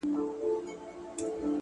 هره پوښتنه د پوهېدو زینه ده.